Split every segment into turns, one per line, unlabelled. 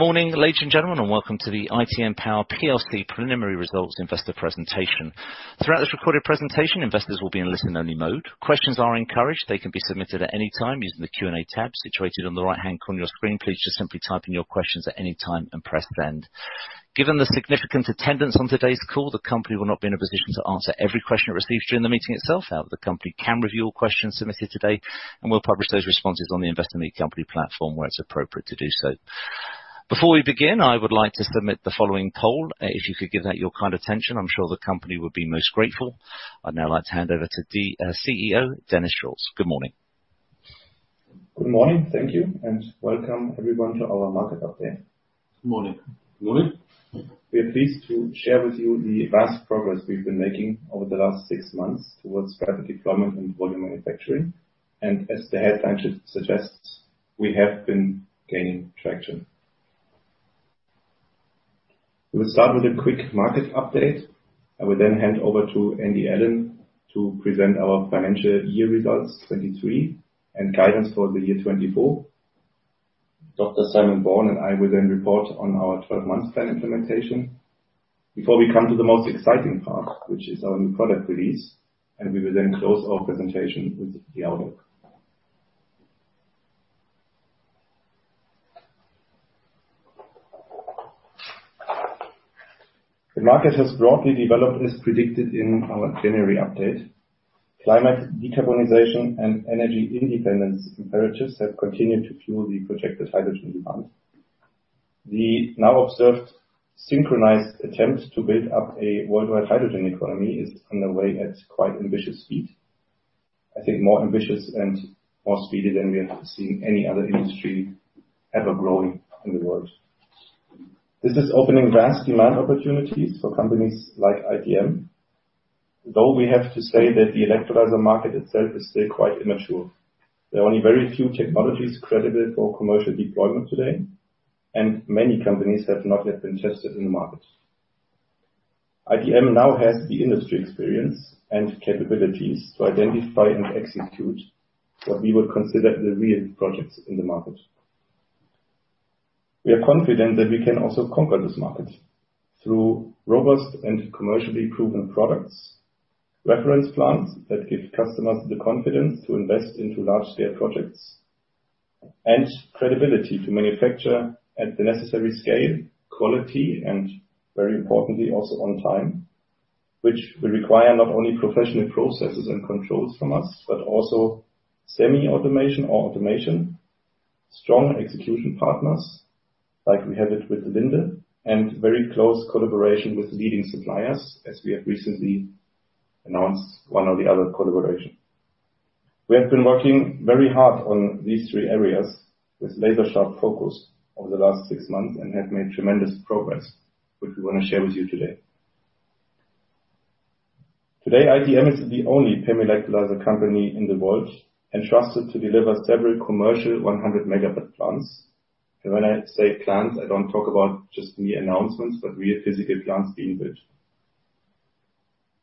Morning, ladies and gentlemen, welcome to the ITM Power PLC Preliminary Results Investor Presentation. Throughout this recorded presentation, investors will be in listen-only mode. Questions are encouraged. They can be submitted at any time using the Q&A tab situated on the right-hand corner of your screen. Please just simply type in your questions at any time and press send. Given the significant attendance on today's call, the company will not be in a position to answer every question it receives during the meeting itself. However, the company can review all questions submitted today, and we'll publish those responses on the Investor Meet Company platform, where it's appropriate to do so. Before we begin, I would like to submit the following poll. If you could give that your kind attention, I'm sure the company would be most grateful. I'd now like to hand over to the CEO, Dennis Schulz. Good morning.
Good morning. Thank you, and welcome everyone to our market update.
Good morning.
Morning.
We are pleased to share with you the vast progress we've been making over the last six months towards rapid deployment and volume manufacturing, as the headline should suggest, we have been gaining traction. We'll start with a quick market update. I will then hand over to Andy Allen to present our financial year results FY23 and guidance for FY24. Simon Bourne and I will then report on our 12-month plan implementation before we come to the most exciting part, which is our new product release, we will then close our presentation with the outlook. The market has broadly developed as predicted in our January update. Climate decarbonization and energy independence imperatives have continued to fuel the projected hydrogen demand. The now observed synchronized attempt to build up a worldwide hydrogen economy is underway at quite ambitious speed. I think more ambitious and more speedy than we have seen any other industry ever growing in the world. This is opening vast demand opportunities for companies like ITM, though we have to say that the electrolyzer market itself is still quite immature. There are only very few technologies credited for commercial deployment today, and many companies have not yet been tested in the market. ITM now has the industry experience and capabilities to identify and execute what we would consider the real projects in the market. We are confident that we can also conquer this market through robust and commercially proven products, reference plants that give customers the confidence to invest into large-scale projects, and credibility to manufacture at the necessary scale, quality, and very importantly, also on time, which will require not only professional processes and controls from us, but also semi-automation or automation, strong execution partners, like we have it with Linde, and very close collaboration with leading suppliers, as we have recently announced one or the other collaboration. We have been working very hard on these three areas with laser-sharp focus over the last six months and have made tremendous progress, which we want to share with you today. Today, ITM is the only PEM electrolyzer company in the world entrusted to deliver several commercial 100 megawatt plants. When I say plants, I don't talk about just new announcements, but real physical plants being built.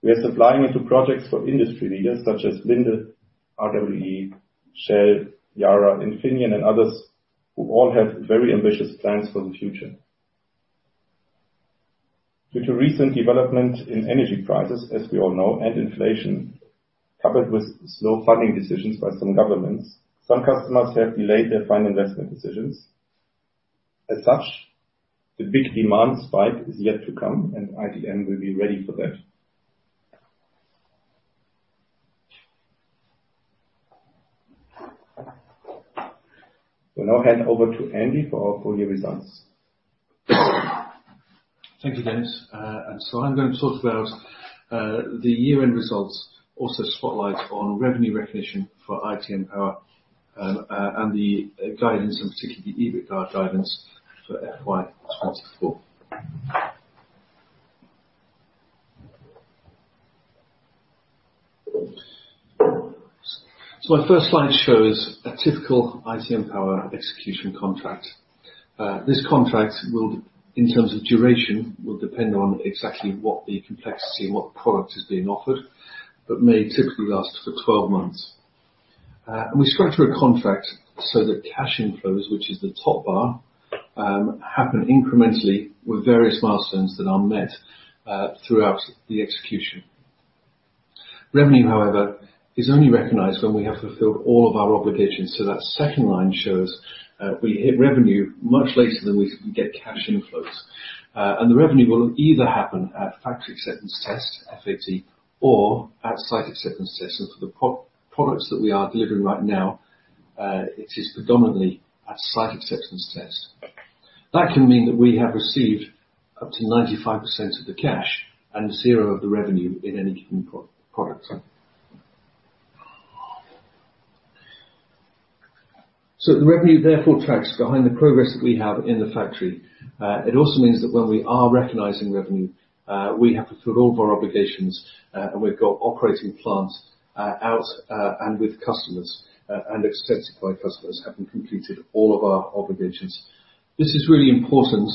We are supplying into projects for industry leaders such as Linde, RWE, Shell, Yara, Infineon, and others, who all have very ambitious plans for the future. Due to recent development in energy prices, as we all know, and inflation, coupled with slow funding decisions by some governments, some customers have delayed their final investment decisions. As such, the big demand spike is yet to come, and ITM will be ready for that. We'll now hand over to Andy for our full year results.
Thank you, Dennis. I'm going to talk about the year-end results, also spotlight on revenue recognition for ITM Power, and the guidance, and particularly the EBITDA guidance for FY24. My first slide shows a typical ITM Power execution contract. This contract will, in terms of duration, will depend on exactly what the complexity and what product is being offered, but may typically last for 12 months. We structure a contract so that cash inflows, which is the top bar, happen incrementally with various milestones that are met throughout the execution. Revenue, however, is only recognized when we have fulfilled all of our obligations, that second line shows, we hit revenue much later than we get cash inflows. The revenue will either happen at factory acceptance test, FAT, or at site acceptance test. For the pro-products that we are delivering right now, it is predominantly at site acceptance test. That can mean that we have received up to 95% of the cash and zero of the revenue in any given pro-product. The revenue therefore tracks behind the progress that we have in the factory. It also means that when we are recognizing revenue, we have fulfilled all of our obligations, and we've got operating plants, out, and with customers, and accepted by customers, having completed all of our obligations. This is really important,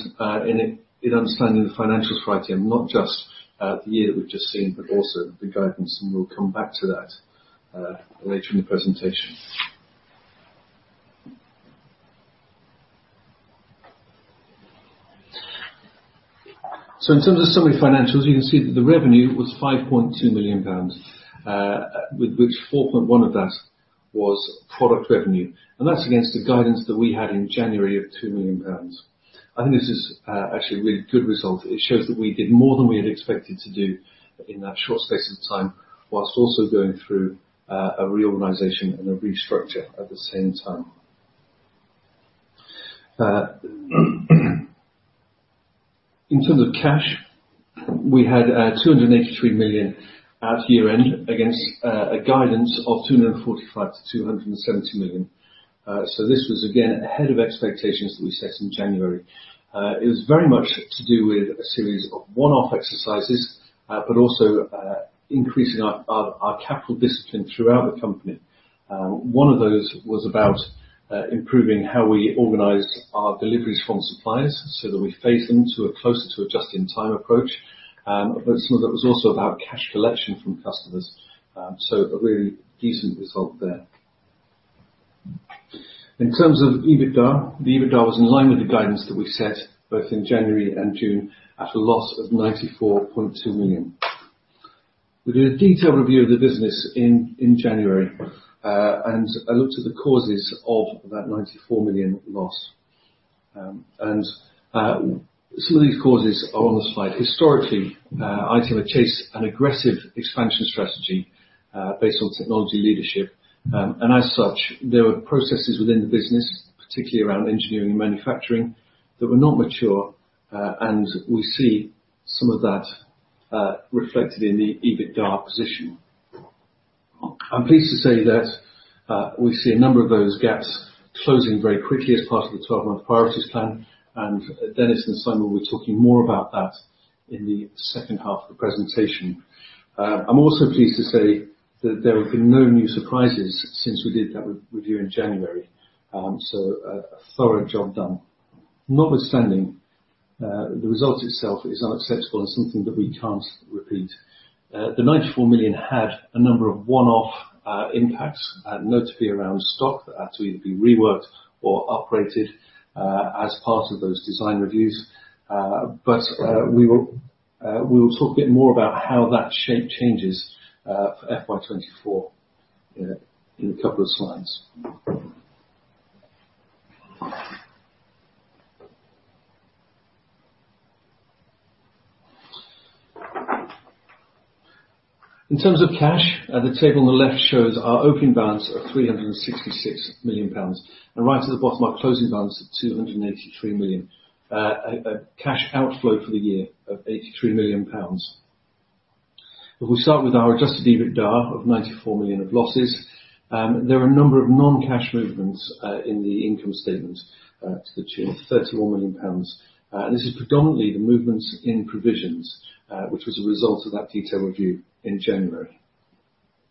in, in understanding the financials for ITM, not just the year that we've just seen, but also the guidance, and we'll come back to that, later in the presentation. In terms of summary financials, you can see that the revenue was 5.2 million pounds, with which 4.1 million of that was product revenue, and that's against the guidance that we had in January of 2 million pounds. I think this is actually a really good result. It shows that we did more than we had expected to do in that short space of time, whilst also going through a reorganization and a restructure at the same time. In terms of cash, we had 283 million at year-end against a guidance of 245 million-270 million. This was again, ahead of expectations that we set in January. It was very much to do with a series of one-off exercises, but also, increasing our, our, our capital discipline throughout the company. One of those was about improving how we organize our deliveries from suppliers so that we phase them to a closer to a just-in-time approach. Some of it was also about cash collection from customers. A really decent result there. In terms of EBITDA, the EBITDA was in line with the guidance that we set both in January and June, at a loss of 94.2 million. We did a detailed review of the business in, in January, I looked at the causes of that 94 million loss. Some of these causes are on the slide. Historically, ITM chased an aggressive expansion strategy, based on technology leadership. As such, there were processes within the business, particularly around engineering and manufacturing, that were not mature, and we see some of that reflected in the EBITDA position. I'm pleased to say that we see a number of those gaps closing very quickly as part of the 12-month priorities plan. Dennis and Simon will be talking more about that in the second half of the presentation. I'm also pleased to say that there have been no new surprises since we did that re- review in January. A thorough job done. Notwithstanding, the result itself is unacceptable and something that we can't repeat. The 94 million had a number of one-off impacts, notably around stock, that had to either be reworked or upgraded as part of those design reviews. We will talk a bit more about how that shape changes for FY24 in a couple of slides. In terms of cash, the table on the left shows our opening balance of 366 million pounds, and right at the bottom, our closing balance of 283 million. A cash outflow for the year of 83 million pounds. If we start with our adjusted EBITDA of 94 million of losses, there are a number of non-cash movements in the income statement to the tune of GBP 31 million. This is predominantly the movements in provisions, which was a result of that detailed review in January.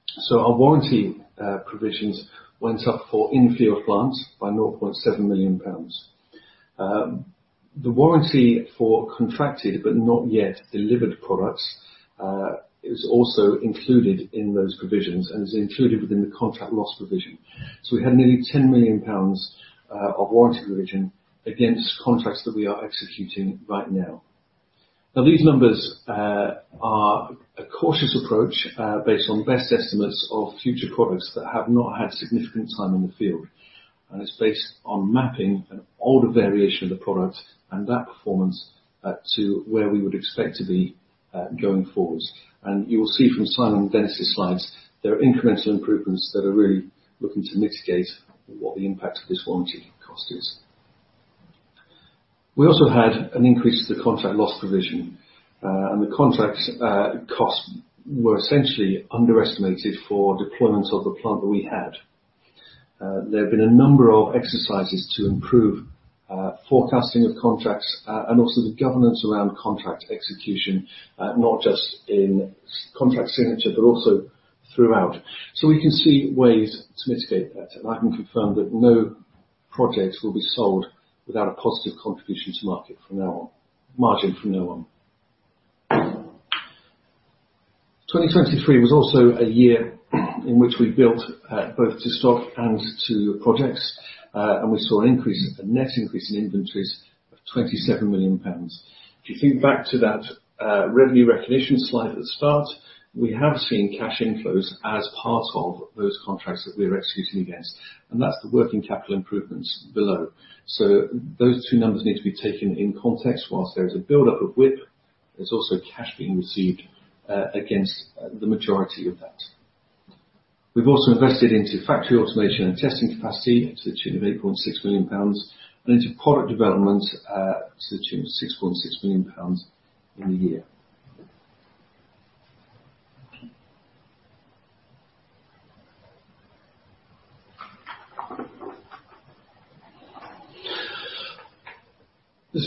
So our warranty provisions went up for in-field plants by 0.7 million pounds. The warranty for contracted, but not yet delivered products, is also included in those provisions and is included within the contract loss provision. We had nearly 10 million pounds of warranty provision against contracts that we are executing right now. Now, these numbers are a cautious approach based on best estimates of future products that have not had significant time in the field. It's based on mapping an older variation of the product and that performance to where we would expect to be going forwards. You will see from Simon and Dennis's slides, there are incremental improvements that are really looking to mitigate what the impact of this warranty cost is. We also had an increase to the contract loss provision, and the contracts costs were essentially underestimated for deployments of the plant that we had. There have been a number of exercises to improve forecasting of contracts and also the governance around contract execution, not just in contract signature, but also throughout. We can see ways to mitigate that, and I can confirm that no projects will be sold without a positive contribution to market from now on-- margin from now on. 2023 was also a year in which we built both to stock and to projects, and we saw an increase, a net increase in inventories of 27 million pounds. If you think back to that revenue recognition slide at the start, we have seen cash inflows as part of those contracts that we are executing against, and that's the working capital improvements below. Those two numbers need to be taken in context. Whilst there is a buildup of WIP, there's also cash being received, against the majority of that. We've also invested into factory automation and testing capacity to the tune of 8.6 million pounds, and into product development, to the tune of 6.6 million pounds in the year.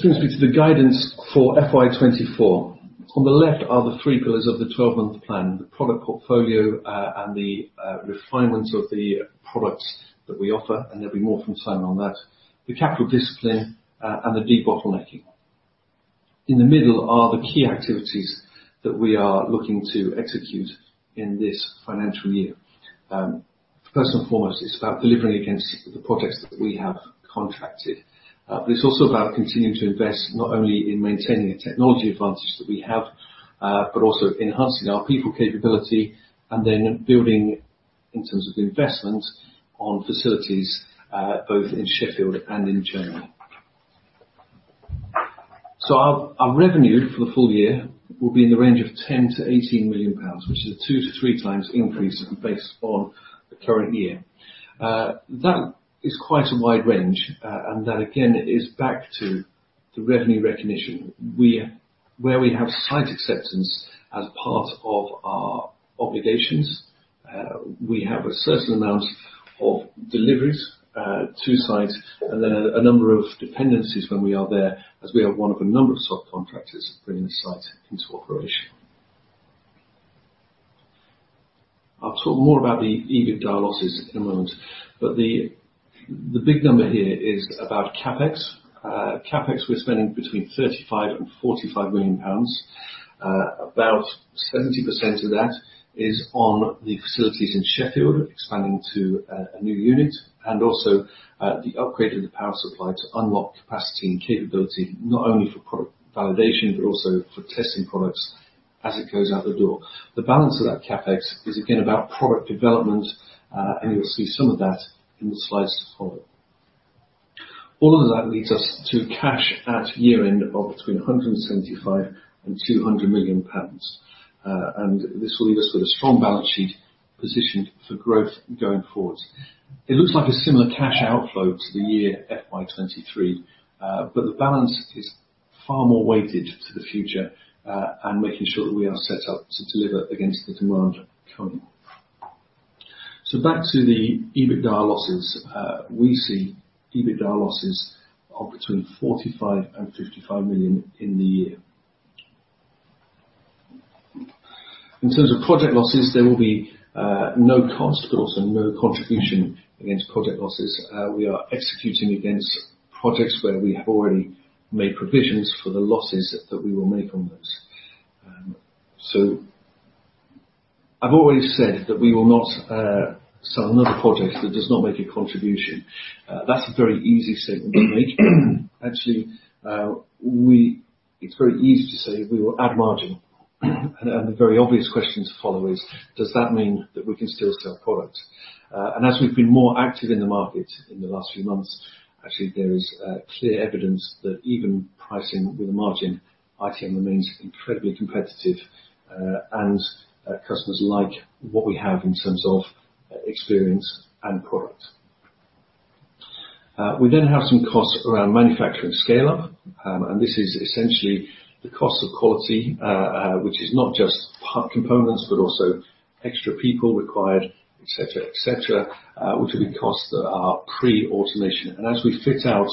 This brings me to the guidance for FY24. On the left are the three pillars of the 12-month plan: the product portfolio, and the refinement of the products that we offer, and there'll be more from Simon on that, the capital discipline, and the debottlenecking. In the middle are the key activities that we are looking to execute in this financial year. First and foremost, it's about delivering against the projects that we have contracted. It's also about continuing to invest, not only in maintaining the technology advantage that we have, but also enhancing our people capability, building in terms of investment on facilities, both in Sheffield and in Germany. Our revenue for the full year will be in the range of 10 million-18 million pounds, which is a 2-3 times increase based on the current year. That is quite a wide range. That, again, is back to the revenue recognition. Where we have site acceptance as part of our obligations, we have a certain amount of deliveries to sites, a number of dependencies when we are there, as we are one of a number of subcontractors bringing the site into operation. I'll talk more about the EBITDA losses in a moment, the big number here is about CapEx. CapEx, we're spending between 35 million and 45 million pounds. About 70% of that is on the facilities in Sheffield, expanding to a, a new unit, and also, the upgrade of the power supply to unlock capacity and capability, not only for product validation, but also for testing products as it goes out the door. The balance of that CapEx is again, about product development, and you'll see some of that in the slides to follow. All of that leads us to cash at year-end of between 175 million and 200 million pounds. This will leave us with a strong balance sheet positioned for growth going forward. It looks like a similar cash outflow to the year FY23. The balance is far more weighted to the future, and making sure that we are set up to deliver against the demand coming. Back to the EBITDA losses. We see EBITDA losses of between 45 million and 55 million in the year. In terms of project losses, there will be no cost, but also no contribution against project losses. We are executing against projects where we have already made provisions for the losses that we will make on those. I've always said that we will not sell another project that does not make a contribution. That's a very easy statement to make. Actually, it's very easy to say we will add margin. The very obvious question to follow is: Does that mean that we can still sell product? As we've been more active in the market in the last few months, actually, there is clear evidence that even pricing with a margin, ITM remains incredibly competitive, and customers like what we have in terms of experience and product. We then have some costs around manufacturing scale-up. This is essentially the cost of quality, which is not just part components, but also extra people required, et cetera, et cetera, which will be costs that are pre-automation. As we fit out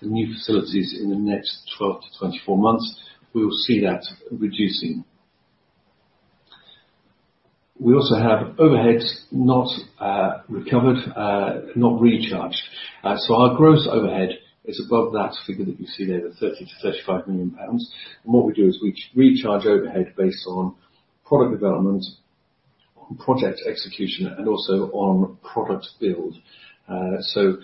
the new facilities in the next 12 to 24 months, we will see that reducing. We also have overheads not recovered, not recharged. Our gross overhead is above that figure that you see there, the 30 million-35 million pounds. What we do is we recharge overhead based on product development, on project execution, and also on product build. So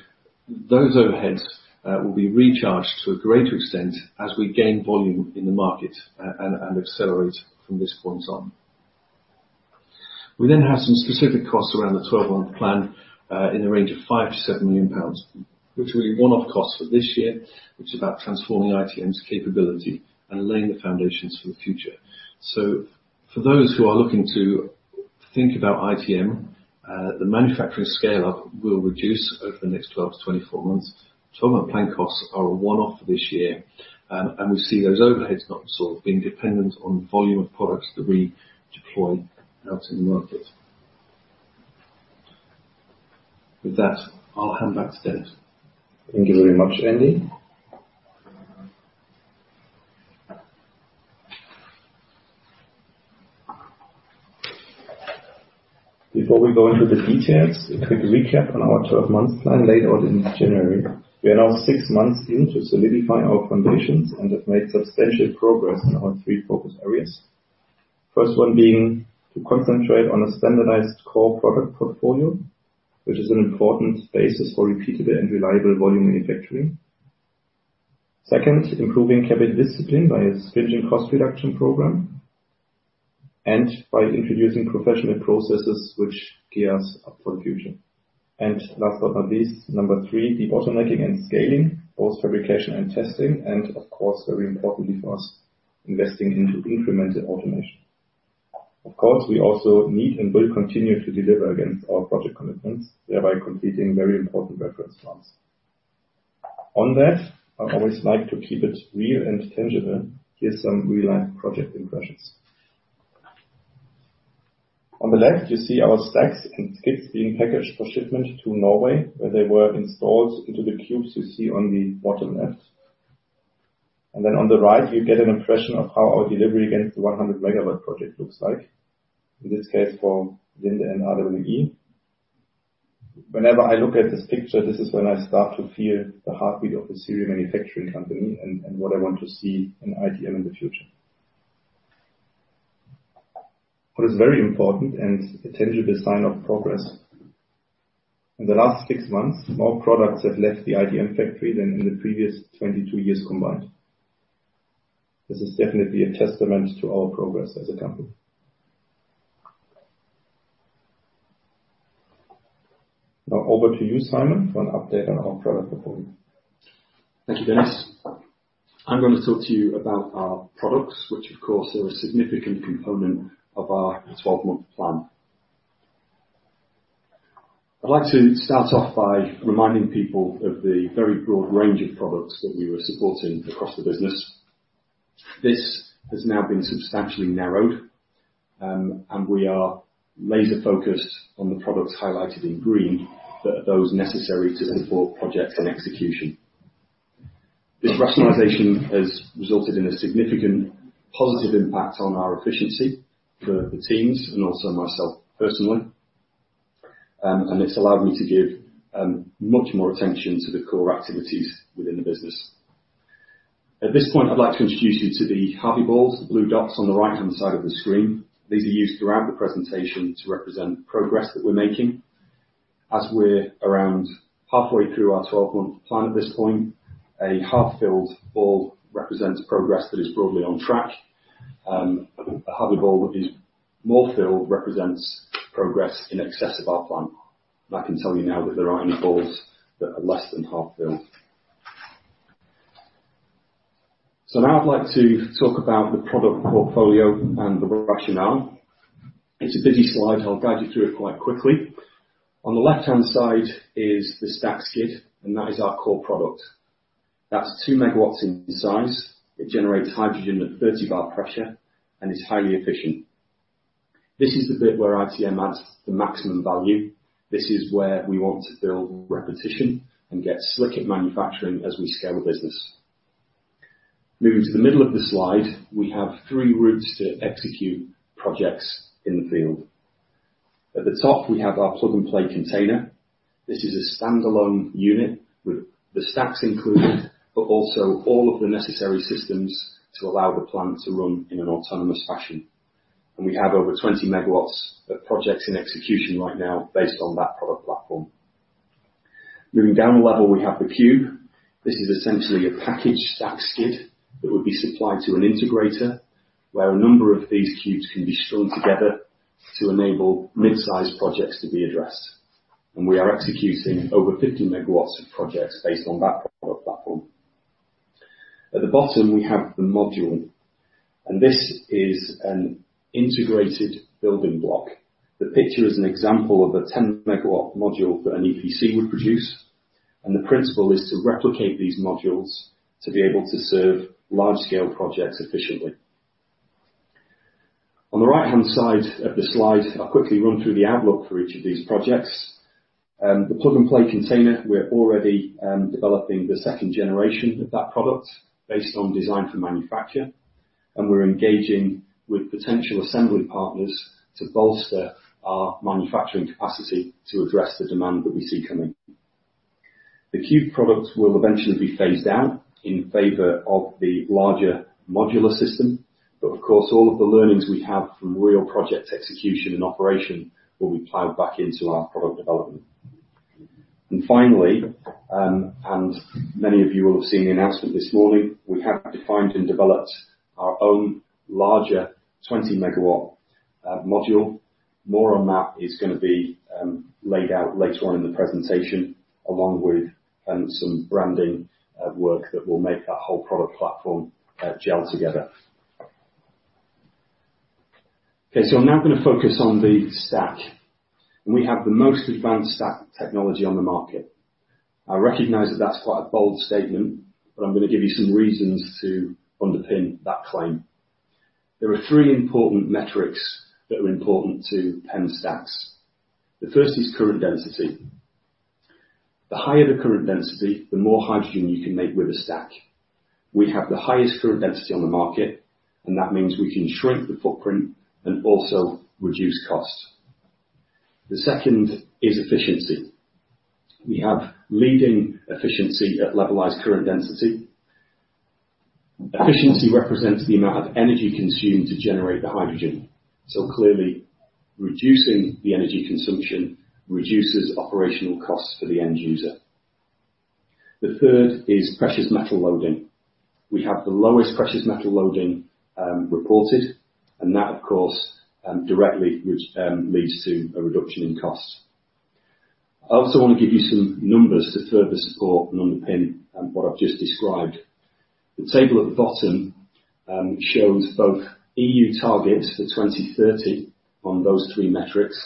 those overheads will be recharged to a greater extent as we gain volume in the market and accelerate from this point on. We then have some specific costs around the 12-month plan in the range of 5 million-7 million pounds, which will be one-off costs for this year. It's about transforming ITM's capability and laying the foundations for the future. For those who are looking to think about ITM, the manufacturing scale-up will reduce over the next 12-24 months. 12-month plan costs are a one-off this year. And we see those overheads not sort of being dependent on volume of products that we deploy out in the market. With that, I'll hand back to Dennis.
Thank you very much, Andy. Before we go into the details, a quick recap on our 12-month plan laid out in January. We are now 6 months in to solidifying our foundations and have made substantial progress in our 3 focus areas. First one being to concentrate on a standardized core product portfolio, which is an important basis for repeatable and reliable volume manufacturing. Second, improving capital discipline by a stringent cost reduction program, and by introducing professional processes which gear us up for the future. And last but not least, number 3, deep automating and scaling, both fabrication and testing, and of course, very importantly for us, investing into incremental automation. Of course, we also need and will continue to deliver against our project commitments, thereby completing very important reference plans. On that, I always like to keep it real and tangible. Here's some real-life project impressions. On the left, you see our stacks and skids being packaged for shipment to Norway, where they were installed into the Cubes you see on the bottom left. Then on the right, you get an impression of how our delivery against the 100 MW project looks like, in this case, for Linde and RWE. Whenever I look at this picture, this is when I start to feel the heartbeat of the serial manufacturing company and, and what I want to see in ITM in the future. What is very important and a tangible sign of progress, in the last 6 months, more products have left the ITM factory than in the previous 22 years combined. This is definitely a testament to our progress as a company. Over to you, Simon, for an update on our product portfolio.
Thank you, Dennis. I'm going to talk to you about our products, which of course, are a significant component of our 12-month plan. I'd like to start off by reminding people of the very broad range of products that we were supporting across the business. This has now been substantially narrowed, and we are laser focused on the products highlighted in green, that are those necessary to support projects and execution. This rationalization has resulted in a significant positive impact on our efficiency for the teams and also myself personally. It's allowed me to give much more attention to the core activities within the business. At this point, I'd like to introduce you to the Harvey balls, the blue dots on the right-hand side of the screen. These are used throughout the presentation to represent progress that we're making. As we're around halfway through our 12-month plan at this point, a half-filled ball represents progress that is broadly on track. A happy ball which is more filled, represents progress in excess of our plan. I can tell you now that there aren't any balls that are less than half filled. Now I'd like to talk about the product portfolio and the rationale. It's a busy slide. I'll guide you through it quite quickly. On the left-hand side is the stack skid, and that is our core product. That's 2 megawatts in size. It generates hydrogen at 30 bar pressure and is highly efficient. This is the bit where ITM adds the maximum value. This is where we want to build repetition and get slick at manufacturing as we scale the business. Moving to the middle of the slide, we have three routes to execute projects in the field. At the top, we have our plug-and-play container. This is a standalone unit with the stacks included, but also all of the necessary systems to allow the plant to run in an autonomous fashion. We have over 20 MW of projects in execution right now based on that product platform. Moving down a level, we have the Cube. This is essentially a package stack skid that would be supplied to an integrator, where a number of these Cubes can be strung together to enable mid-sized projects to be addressed. We are executing over 50 MW of projects based on that product platform. At the bottom, we have the module, and this is an integrated building block. The picture is an example of a 10-megawatt module that an EPC would produce, and the principle is to replicate these modules to be able to serve large-scale projects efficiently. On the right-hand side of the slide, I'll quickly run through the outlook for each of these projects. The plug-and-play container, we're already developing the second generation of that product based on design for manufacture, and we're engaging with potential assembly partners to bolster our manufacturing capacity to address the demand that we see coming. The Cube products will eventually be phased out in favor of the larger modular system, but of course, all of the learnings we have from real project execution and operation will be plowed back into our product development. Finally, and many of you will have seen the announcement this morning, we have defined and developed our own larger 20-megawatt module. More on that is gonna be laid out later on in the presentation, along with some branding work that will make that whole product platform gel together. I'm now gonna focus on the stack. We have the most advanced stack technology on the market. I recognize that that's quite a bold statement, but I'm gonna give you some reasons to underpin that claim. There are 3 important metrics that are important to PEM stacks. The first is current density. The higher the current density, the more hydrogen you can make with a stack. We have the highest current density on the market. That means we can shrink the footprint and also reduce costs. The second is efficiency. We have leading efficiency at levelized current density. Efficiency represents the amount of energy consumed to generate the hydrogen. Clearly, reducing the energy consumption reduces operational costs for the end user. The third is precious metal loading. We have the lowest precious metal loading reported. That, of course, directly leads to a reduction in cost. I also want to give you some numbers to further support and underpin what I've just described. The table at the bottom shows both EU targets for 2030 on those three metrics.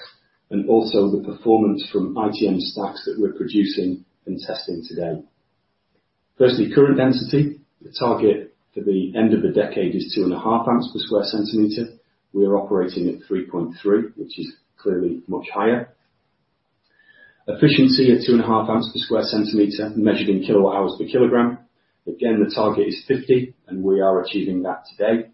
Also the performance from ITM stacks that we're producing and testing today. Firstly, current density. The target for the end of the decade is 2.5 A per cm². We are operating at 3.3, which is clearly much higher. Efficiency of 2.5 A per cm², measured in kWh/kg. Again, the target is 50, we are achieving that today.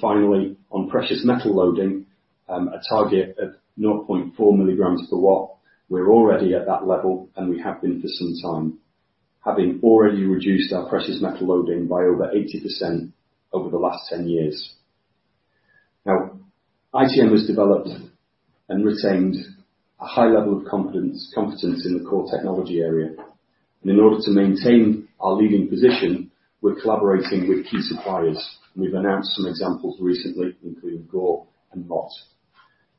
Finally, on precious metal loading, a target of 0.4 milligrams per watt. We're already at that level, and we have been for some time. Having already reduced our precious metal loading by over 80% over the last 10 years. Now, ITM has developed and retained a high level of competence, competence in the core technology area. In order to maintain our leading position, we're collaborating with key suppliers. We've announced some examples recently, including Gore and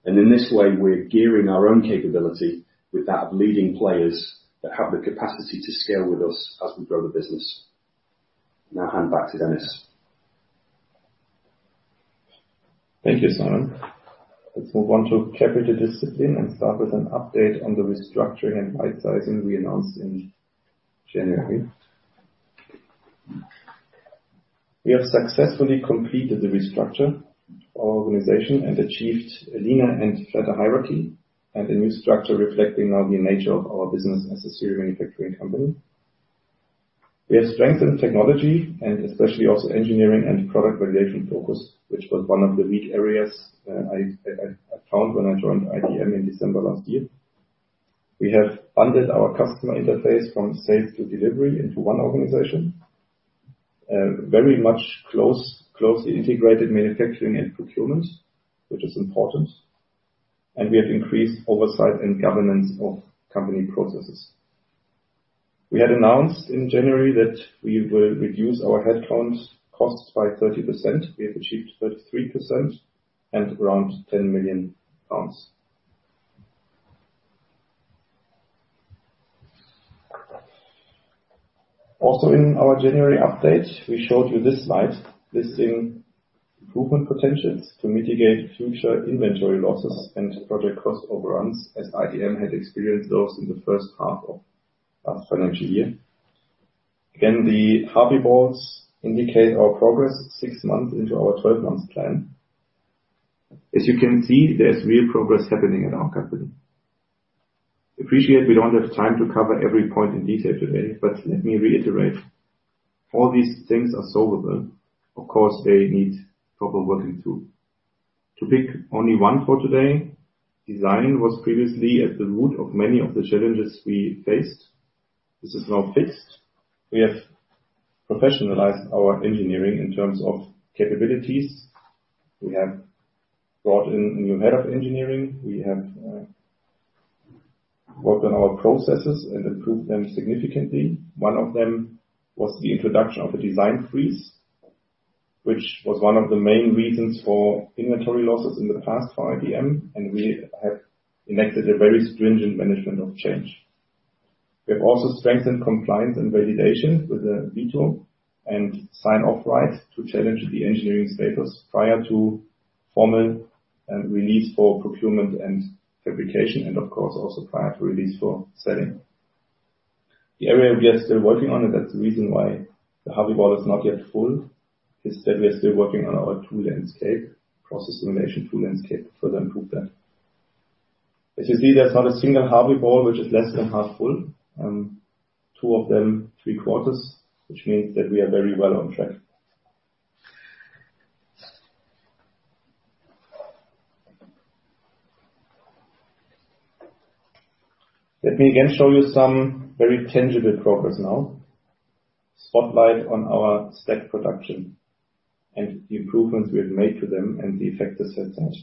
Mott. In this way, we're gearing our own capability with that of leading players that have the capacity to scale with us as we grow the business. Now I hand back to Dennis.
Thank you, Simon. Let's move on to capital discipline and start with an update on the restructuring and rightsizing we announced in January. We have successfully completed the restructure of our organization and achieved a leaner and flatter hierarchy, and a new structure reflecting now the nature of our business as a serial manufacturing company. We have strengthened technology and especially also engineering and product validation focus, which was one of the weak areas, I found when I joined ITM in December last year. We have funded our customer interface from sales to delivery into one organization, very much closely integrated manufacturing and procurement, which is important, and we have increased oversight and governance of company processes. We had announced in January that we will reduce our headcount costs by 30%. We have achieved 33% and around GBP 10 million. Also, in our January update, we showed you this slide, listing improvement potentials to mitigate future inventory losses and project cost overruns, as ITM had experienced those in the first half of our financial year. Again, the Harvey balls indicate our progress 6 months into our 12-month plan. As you can see, there's real progress happening in our company. Appreciate we don't have time to cover every point in detail today, let me reiterate, all these things are solvable. Of course, they need proper working, too. To pick only one for today, design was previously at the root of many of the challenges we faced. This is now fixed. We have professionalized our engineering in terms of capabilities. We have brought in a new head of engineering. We have worked on our processes and improved them significantly. One of them was the introduction of a design freeze, which was one of the main reasons for inventory losses in the past for ITM. We have enacted a very stringent management of change. We have also strengthened compliance and validation with a veto and sign-off right to challenge the engineering status prior to formal release for procurement and fabrication, and of course, also prior to release for selling. The area we are still working on, and that's the reason why the Harvey ball is not yet full, is that we are still working on our tool landscape, process automation tool landscape, to further improve that. As you see, there's not a single Harvey ball, which is less than half full, two of them three-quarters, which means that we are very well on track. Let me again show you some very tangible progress now. Spotlight on our stack production and the improvements we have made to them and the effect this has had.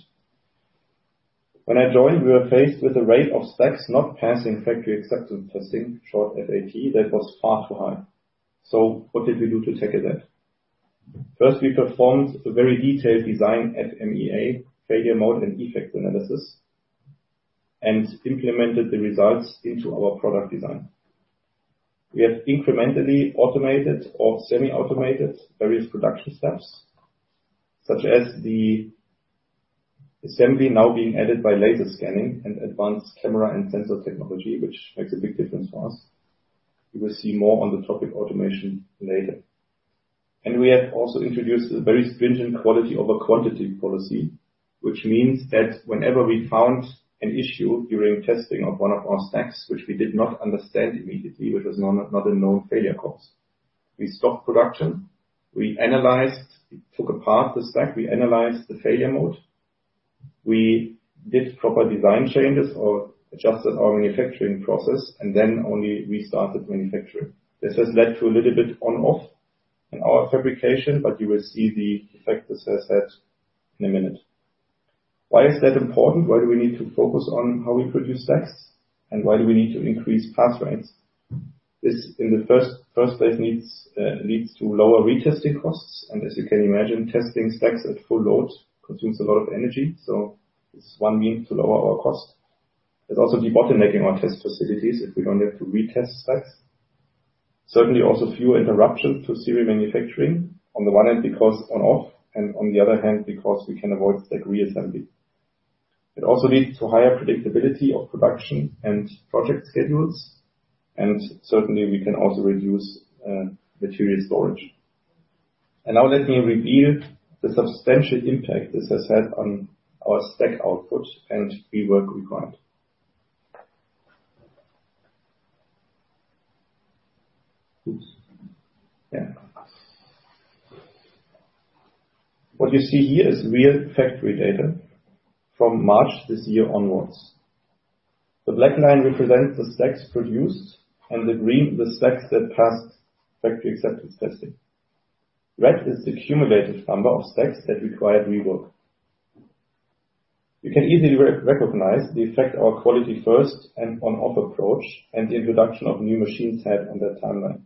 When I joined, we were faced with a rate of stacks not passing factory acceptance testing, short FAT, that was far too high. What did we do to tackle that? First, we performed a very detailed Design FMEA, Failure Mode and Effects Analysis, and implemented the results into our product design. We have incrementally automated or semi-automated various production steps, such as the assembly now being added by laser scanning and advanced camera and sensor technology, which makes a big difference for us. You will see more on the topic automation later. We have also introduced a very stringent quality over quantity policy, which means that whenever we found an issue during testing of one of our stacks, which we did not understand immediately, which was not a known failure cause, we stopped production. We took apart the stack, we analyzed the failure mode, we did proper design changes or adjusted our manufacturing process, and then only restarted manufacturing. This has led to a little bit on/off in our fabrication, you will see the effect this has had in a minute. Why is that important? Why do we need to focus on how we produce stacks, and why do we need to increase pass rates? This, in the first, first place, leads to lower retesting costs. As you can imagine, testing stacks at full load consumes a lot of energy, so it's one means to lower our cost. It's also debottlenecking our test facilities if we don't have to retest stacks. Certainly, also fewer interruptions to serial manufacturing, on the one hand, because on/off, and on the other hand, because we can avoid stack reassembly. It also leads to higher predictability of production and project schedules, and certainly, we can also reduce material storage. Now let me reveal the substantial impact this has had on our stack output and rework required. Oops. Yeah. What you see here is real factory data from March this year onwards. The black line represents the stacks produced, and the green, the stacks that passed factory acceptance testing. Red is the cumulative number of stacks that required rework. You can easily recognize the effect our quality first and on-off approach and the introduction of new machines had on that timeline.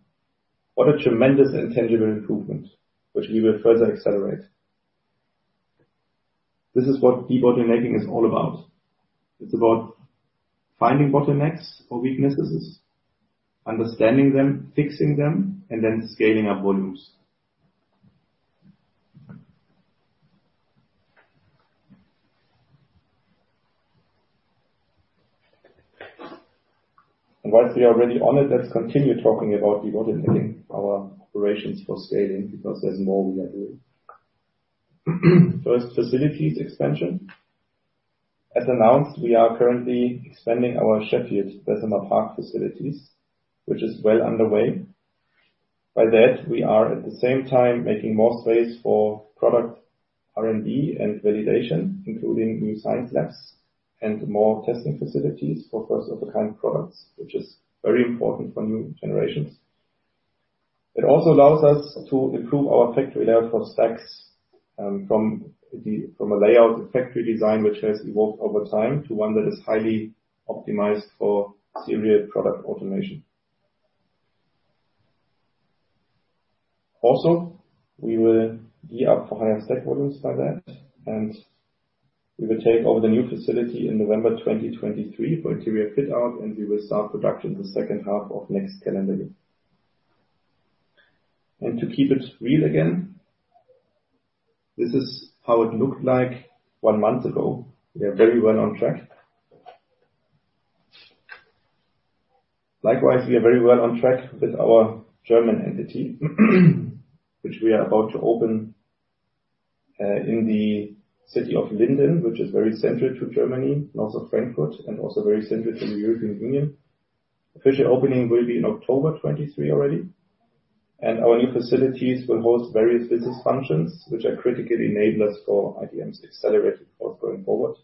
What a tremendous and tangible improvement, which we will further accelerate. This is what debottlenecking is all about. It's about finding bottlenecks or weaknesses, understanding them, fixing them, and then scaling up volumes. Whilst we are already on it, let's continue talking about debottlenecking our operations for scaling, because there's more we are doing. First, facilities expansion. As announced, we are currently expanding our Sheffield, Bessemer Park facilities, which is well underway. By that, we are at the same time making more space for product R&D and validation, including new science labs and more testing facilities for first-of-a-kind products, which is very important for new generations. It also allows us to improve our factory layout for stacks, from a layout factory design, which has evolved over time, to one that is highly optimized for serial product automation. Also, we will gear up for higher stack volumes by that, and we will take over the new facility in November 2023, for interior fit-out, and we will start production the second half of next calendar year. To keep it real again, this is how it looked like one month ago. We are very well on track. Likewise, we are very well on track with our German entity, which we are about to open in the city of Linden, which is very central to Germany, north of Frankfurt, and also very central to the European Union. Official opening will be in October 2023 already, our new facilities will host various business functions, which are critically enablers for ITM's accelerated growth going forward.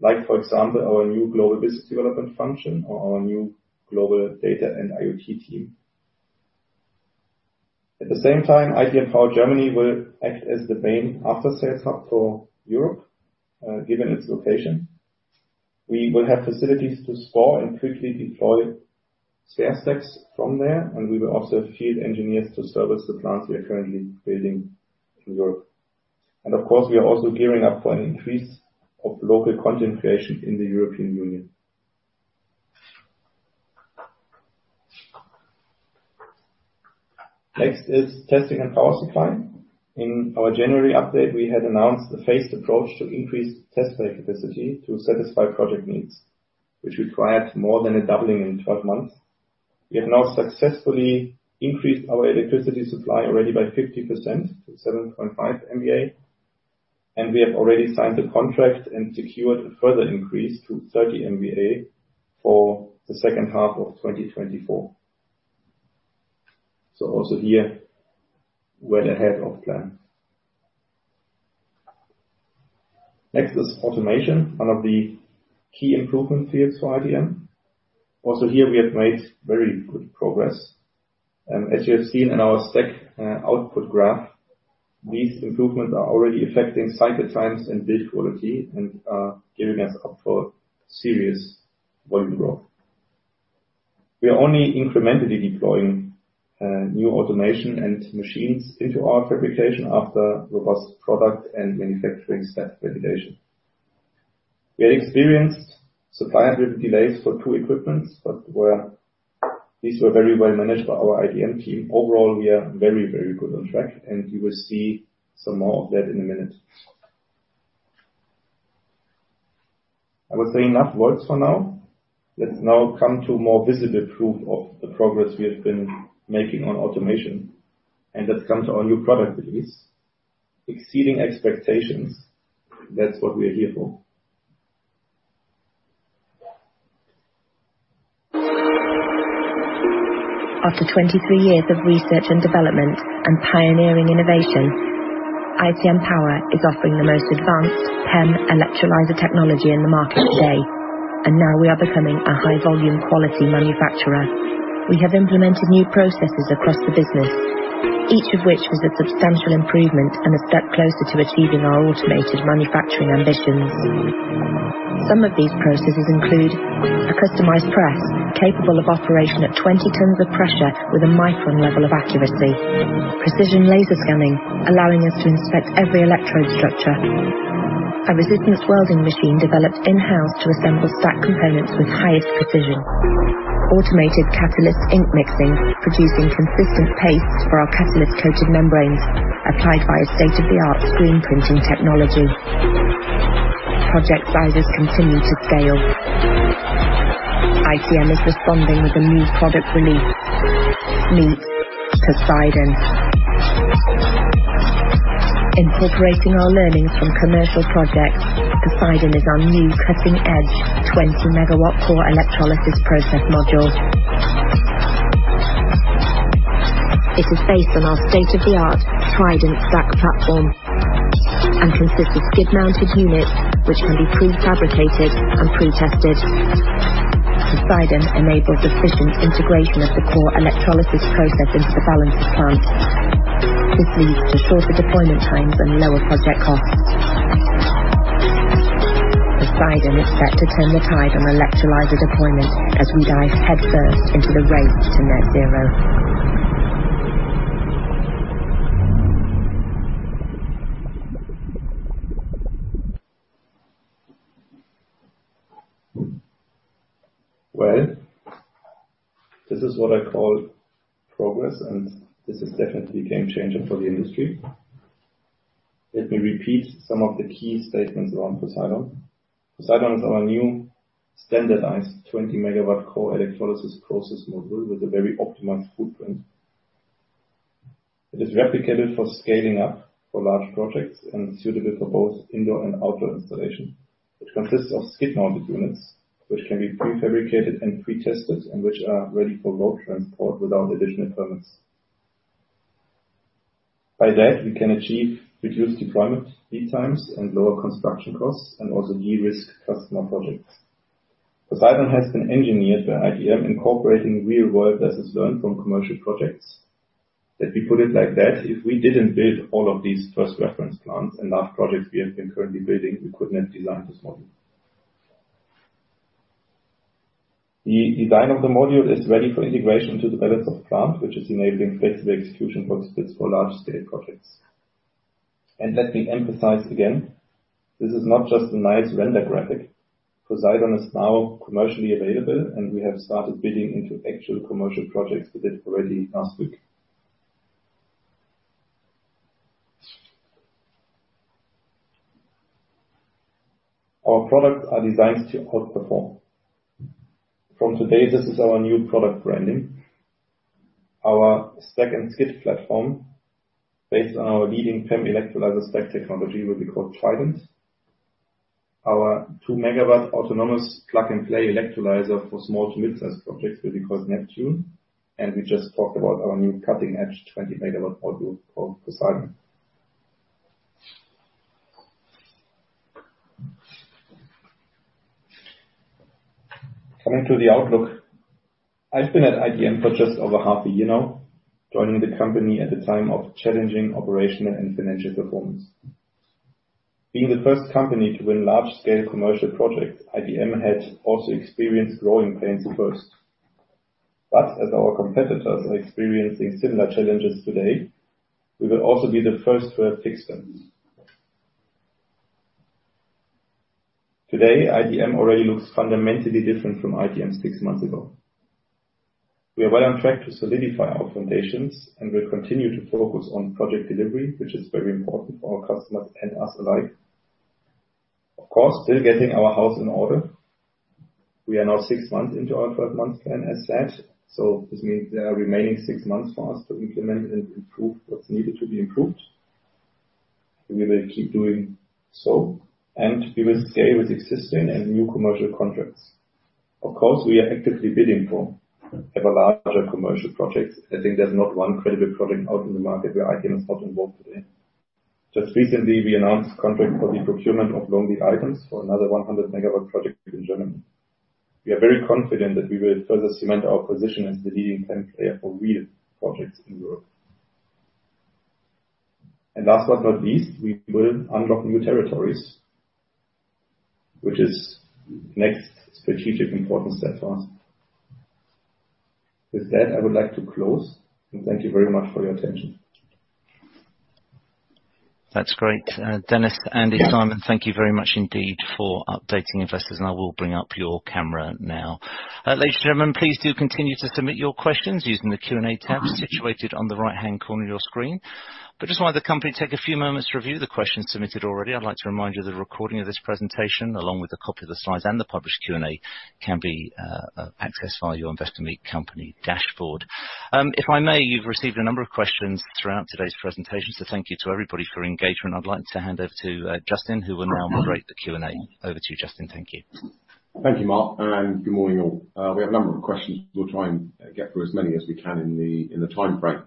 Like, for example, our new global business development function or our new global data and IoT team. At the same time, ITM Power Germany will act as the main after-sales hub for Europe, given its location. We will have facilities to store and quickly deploy spare stacks from there, we will also have field engineers to service the plants we are currently building in Europe. Of course, we are also gearing up for an increase of local content creation in the European Union. Next is testing and power supply. In our January update, we had announced a phased approach to increase test capacity to satisfy project needs, which required more than a doubling in 12 months. We have now successfully increased our electricity supply already by 50% to 7.5 MVA, and we have already signed a contract and secured a further increase to 30 MVA for the second half of 2024. Also here, we're ahead of plan. Next is automation, one of the key improvement fields for ITM. Also here, we have made very good progress, and as you have seen in our stack, output graph, these improvements are already affecting cycle times and build quality and gearing us up for serious volume growth. We are only incrementally deploying new automation and machines into our fabrication after robust product and manufacturing staff validation. We experienced supply delays for 2 equipments, but these were very well managed by our ITM team. Overall, we are very, very good on track. You will see some more of that in a minute. I would say enough words for now. Let's now come to more visible proof of the progress we have been making on automation. Let's come to our new product release. Exceeding expectations, that's what we are here for.
After 23 years of research and development and pioneering innovation, ITM Power is offering the most advanced PEM electrolyzer technology in the market today, and now we are becoming a high-volume quality manufacturer. We have implemented new processes across the business, each of which is a substantial improvement and a step closer to achieving our automated manufacturing ambitions. Some of these processes include a customized press, capable of operation at 20 tons of pressure with a micron level of accuracy. Precision laser scanning, allowing us to inspect every electrode structure. A resistance welding machine developed in-house to assemble stack components with highest precision. Automated catalyst ink mixing, producing consistent pastes for our catalyst-coated membranes, applied by a state-of-the-art screen printing technology. Project sizes continue to scale. ITM is responding with a new product release. Meet Poseidon. Incorporating our learnings from commercial projects, Poseidon is our new cutting-edge 20 MW core electrolysis process module. It is based on our state-of-the-art Trident stack platform, and consists of skid-mounted units, which can be pre-fabricated and pre-tested. Poseidon enables efficient integration of the core electrolysis process into the balance of plant. This leads to shorter deployment times and lower project costs. Poseidon is set to turn the tide on electrolyzer deployment as we dive headfirst into the race to net zero.
Well, this is what I call progress. This is definitely a game changer for the industry. Let me repeat some of the key statements around Poseidon. Poseidon is our new standardized 20-megawatt core electrolysis process module with a very optimized footprint. It is replicated for scaling up for large projects and suitable for both indoor and outdoor installation. It consists of skid-mounted units, which can be pre-fabricated and pre-tested, and which are ready for road transport without additional permits. By that, we can achieve reduced deployment lead times and lower construction costs, and also de-risk customer projects. Poseidon has been engineered by ITM, incorporating real-world lessons learned from commercial projects. Let me put it like that: If we didn't build all of these first reference plants and large projects we have been currently building, we could not design this model. The design of the module is ready for integration into the balance of plant, which is enabling flexible execution prospects for large-scale projects. Let me emphasize again, this is not just a nice render graphic. Poseidon is now commercially available, and we have started bidding into actual commercial projects with it already last week. Our products are designed to outperform. From today, this is our new product branding. Our stack and skid platform, based on our leading PEM electrolyzer stack technology, will be called Trident. Our 2 MW autonomous plug-and-play electrolyzer for small to mid-sized projects will be called Neptune, and we just talked about our new cutting-edge 20 MW module called Poseidon. Coming to the outlook. I've been at ITM for just over half a year now, joining the company at the time of challenging operational and financial performance. Being the first company to win large-scale commercial project, ITM had also experienced growing pains first. As our competitors are experiencing similar challenges today, we will also be the first to have fixed them. Today, ITM already looks fundamentally different from ITM six months ago. We are well on track to solidify our foundations, and we'll continue to focus on project delivery, which is very important for our customers and us alike. Of course, still getting our house in order. We are now six months into our 12-month plan, as said, this means there are remaining six months for us to implement and improve what's needed to be improved. We will keep doing so. We will stay with existing and new commercial contracts. Of course, we are actively bidding for ever larger commercial projects. I think there's not one credible project out in the market where ITM is not involved today. Just recently, we announced contract for the procurement of long-lead items for another 100-megawatt project in Germany. We are very confident that we will further cement our position as the leading PEM player for real projects in Europe. Last but not least, we will unlock new territories, which is next strategic important step for us. With that, I would like to close, and thank you very much for your attention.
That's great. Dennis, Andy, Simon, thank you very much indeed for updating investors. I will bring up your camera now. Ladies and gentlemen, please do continue to submit your questions using the Q&A tab situated on the right-hand corner of your screen. Just while the company take a few moments to review the questions submitted already, I'd like to remind you that a recording of this presentation, along with a copy of the slides and the published Q&A, can be accessed via your Investor Meet Company dashboard. If I may, you've received a number of questions throughout today's presentation, so thank you to everybody for your engagement. I'd like to hand over to Justin, who will now moderate the Q&A. Over to you, Justin. Thank you.
Thank you, Mark, and good morning, all. We have a number of questions. We'll try and get through as many as we can in the timeframe.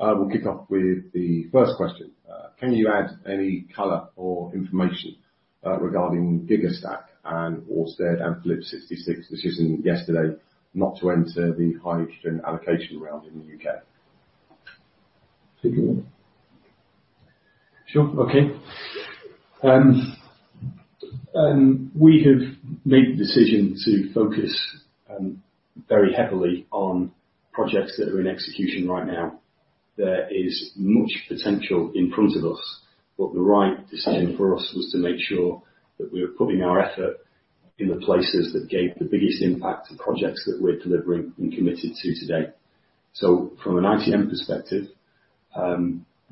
We'll kick off with the first question. Can you add any color or information regarding Gigastack and/or Ørsted and Phillips 66 decision yesterday not to enter the high emission allocation round in the UK?
Sure. Okay. We have made the decision to focus very heavily on projects that are in execution right now. There is much potential in front of us, but the right decision for us was to make sure that we are putting our effort in the places that gave the biggest impact to projects that we're delivering and committed to today. From an ITM perspective,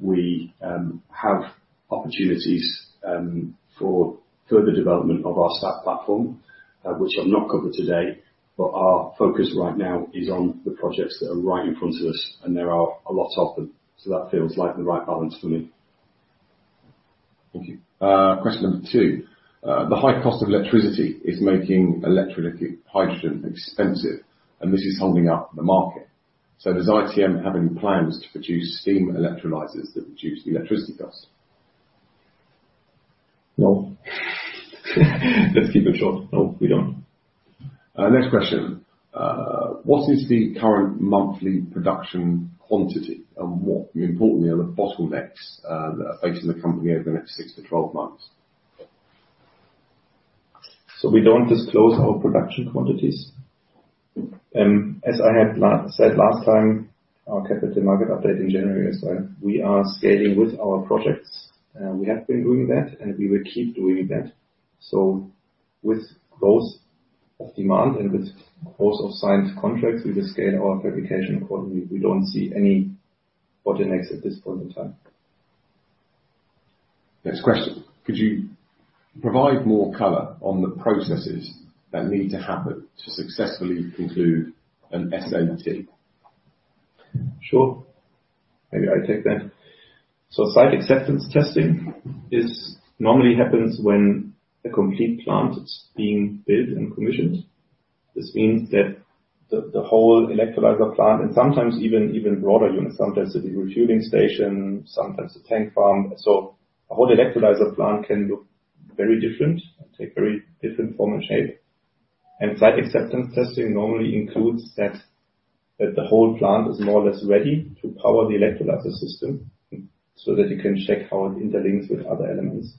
we have opportunities for further development of our stack platform, which I've not covered today, but our focus right now is on the projects that are right in front of us, and there are a lot of them. That feels like the right balance for me.
Thank you. Question number 2. The high cost of electricity is making electrolytic hydrogen expensive, and this is holding up the market. Does ITM having plans to produce steam electrolyzers that reduce the electricity costs?
No. Let's keep it short. No, we don't.
Next question. What is the current monthly production quantity and more importantly, are the bottlenecks facing the company over the next 6-12 months?
We don't disclose our production quantities. As I had said last time, our capital market update in January as well, we are scaling with our projects, and we have been doing that, and we will keep doing that. With growth of demand and with growth of signed contracts, we will scale our fabrication accordingly. We don't see any bottlenecks at this point in time.
Next question: Could you provide more color on the processes that need to happen to successfully conclude an SAT?
Sure. Maybe I take that. Site acceptance testing normally happens when a complete plant is being built and commissioned. This means that the whole electrolyzer plant, and sometimes even broader units, sometimes it be a refueling station, sometimes a tank farm. A whole electrolyzer plant can look very different and take very different form and shape. Site acceptance testing normally includes that the whole plant is more or less ready to power the electrolyzer system, so that you can check how it interlinks with other elements.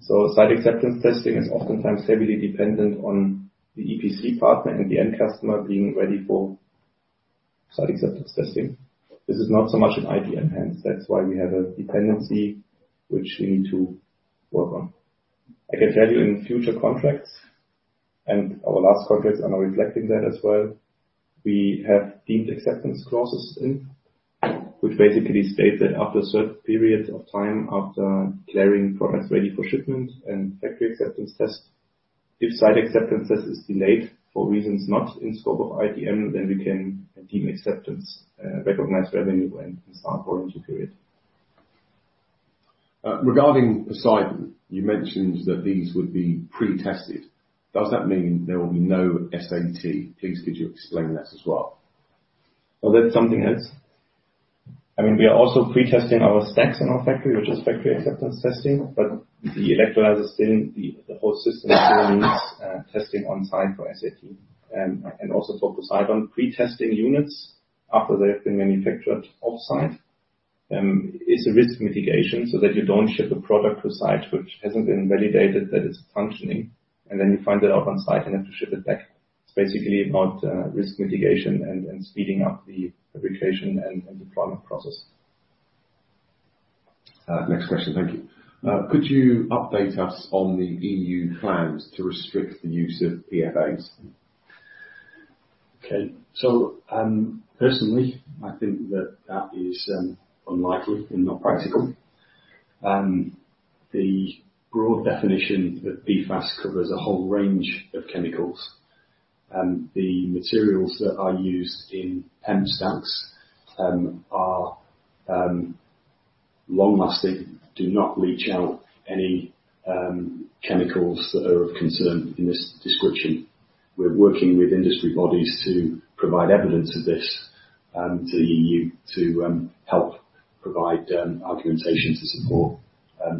Site acceptance testing is oftentimes heavily dependent on the EPC partner and the end customer being ready for site acceptance testing. This is not so much an ITM hence, that's why we have a dependency which we need to work on. I can tell you in future contracts, and our last contracts are now reflecting that as well, we have deemed acceptance clauses in, which basically state that after a certain period of time, after clearing products ready for shipment and factory acceptance test, if site acceptance test is delayed for reasons not in scope of ITM, then we can deem acceptance, recognized revenue and start warranty period.
Regarding Poseidon, you mentioned that these would be pre-tested. Does that mean there will be no SAT? Please, could you explain that as well?
Oh, that's something else. I mean, we are also pre-testing our stacks in our factory, which is factory acceptance testing, but the electrolyzer still, the, the whole system still needs testing on site for SAT. Also for Poseidon, pre-testing units after they have been manufactured offsite, is a risk mitigation so that you don't ship a product to site which hasn't been validated that it's functioning, and then you find it out on site and have to ship it back. It's basically about risk mitigation and speeding up the fabrication and the product process.
Next question. Thank you. Could you update us on the EU plans to restrict the use of PFAS?
Okay. Personally, I think that that is unlikely and not practical. The broad definition that PFAS covers a whole range of chemicals, and the materials that are used in PEM stacks are long-lasting, do not leach out any chemicals that are of concern in this description. We're working with industry bodies to provide evidence of this to the EU to help provide argumentation to support